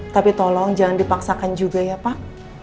tapi tolong jangan dipaksakan juga ya pak